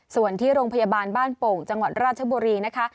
ส่วนที่โรงพยาบาลบ้านโป่งจังหวัดราชบุรีนะคะ